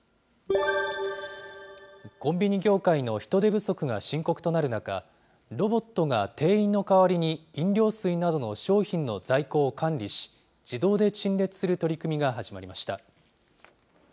コンビニ業界の人手不足が深刻となる中、ロボットが店員の代わりに飲料水などの商品の在庫を管理し、自動で陳列する取り組みが始まりました。